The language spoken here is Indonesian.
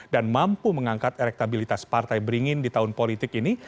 dan mampu mengangkat elektabilitas partai beringin di tahun politik ini